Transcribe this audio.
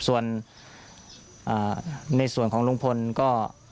ส่วนในส่วนของลุงพลก็